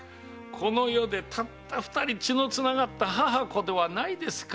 この世でたった二人血の繋がった母子ではないですか。